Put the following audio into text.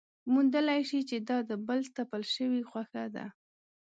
موندلی شي چې دا د بل تپل شوې خوښه ده.